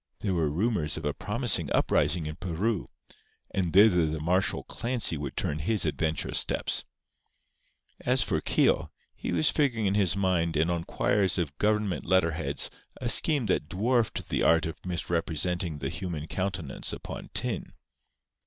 There were rumours of a promising uprising in Peru; and thither the martial Clancy would turn his adventurous steps. As for Keogh, he was figuring in his mind and on quires of Government letter heads a scheme that dwarfed the art of misrepresenting the human countenance upon tin.